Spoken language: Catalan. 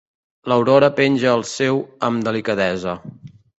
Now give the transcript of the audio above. L'Aurora penja el seu amb delicadesa.